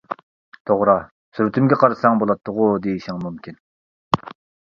توغرا، سۈرىتىمگە قارىساڭ بۇلاتتىغۇ دېيىشىڭ مۇمكىن.